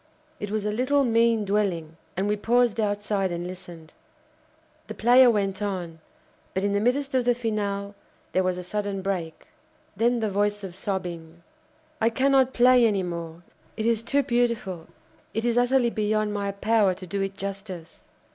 It was a little, mean dwelling, and we paused outside and listened. The player went on; but, in the midst of the finale, there was a sudden break; then the voice of sobbing: "I cannot play any more. It is too beautiful; it is utterly beyond my power to do it justice.